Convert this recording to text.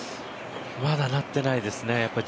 まだなってないですね。